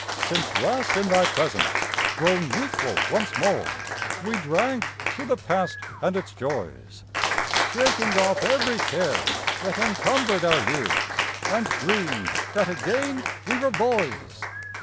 Since last in thy presence, grown youthful once more, We drank to the past and its joys, Shaking off every care that encumbered our years, And dreamed that again we were boys.